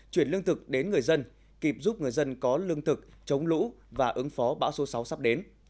chuyển lương thực đến người dân kịp giúp người dân có lương thực chống lũ và ứng phó bão số sáu sắp đến